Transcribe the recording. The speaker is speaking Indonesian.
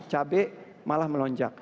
cabai malah melonjak